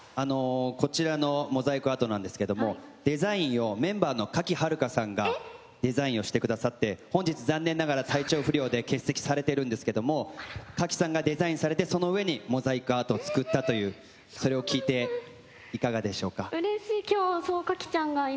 こちらのモザイクアートなんですけどもデザインをメンバーの賀喜遥香さんがデザインしてくださって本日残念ながら体調不良で欠席されてるんですけど賀喜さんがデザインされてその上にモザイクアートを作ったというそれを聞いていかがでしょうか。